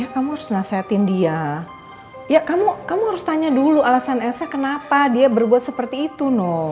kamu harus nasihatin dia ya kamu harus tanya dulu alasan esa kenapa dia berbuat seperti itu no